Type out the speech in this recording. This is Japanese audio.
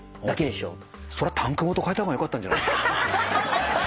タンクごとかえた方がよかったんじゃないですか。